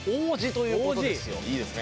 いいですね。